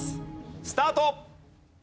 スタート！